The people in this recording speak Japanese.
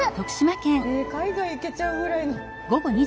え海外行けちゃうぐらいの。